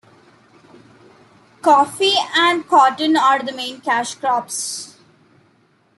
Coffee and cotton are the main cash crops.